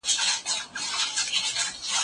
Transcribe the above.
موږ کولی شو د ټکنالوژۍ له لارې ستونزې حل کړو.